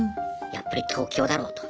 やっぱり東京だろうと。